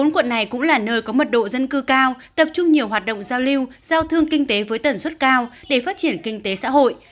bốn quận này cũng là nơi có mật độ dân cư cao tập trung nhiều hoạt động giao lưu giao thương kinh tế với tần suất cao để phát triển kinh tế xã hội